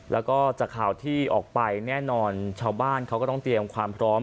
แล้วก็จากข่าวที่ออกไปแน่นอนชาวบ้านเขาก็ต้องเตรียมความพร้อม